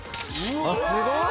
すごい！